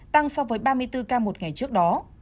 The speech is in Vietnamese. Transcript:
tăng so với ba mươi bốn ca một ngày trước đó